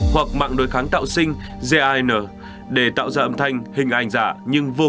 hoặc mạng đối kháng tạo